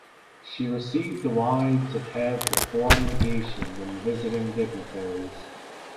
She received the wives of heads of foreign legations and visiting dignitaries.